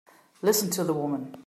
Listen to the woman!